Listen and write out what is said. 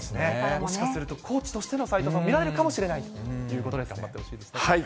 もしかするとコーチとしても斎藤さんも見られるかもしれないとい頑張ってほしいですね。